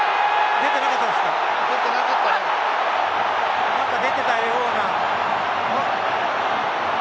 出ていたような。